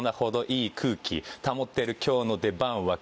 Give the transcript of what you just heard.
いい空気保ってる今日の出番は